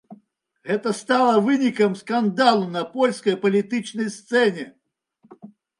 Гэта стала вынікам скандалу на польскай палітычнай сцэне.